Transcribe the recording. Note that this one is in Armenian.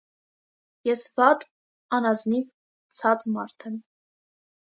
- Ես վա՛տ, անազնի՛վ, ցա՛ծ մարդ եմ…